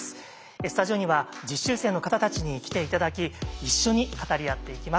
スタジオには実習生の方たちに来て頂き一緒に語り合っていきます。